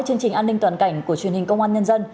chương trình an ninh toàn cảnh của truyền hình công an nhân dân